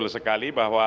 betul sekali bahwa